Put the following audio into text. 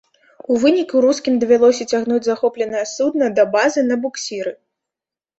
У выніку рускім давялося цягнуць захопленае судна да базы на буксіры.